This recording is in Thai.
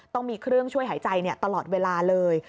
ต้องมีเครื่องช่วยหายใจตลอดเวลาเลย